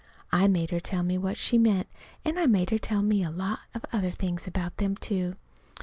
I made her tell me what she meant, and I made her tell me a lot of other things about them, too.